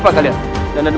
ke karakter ini adalah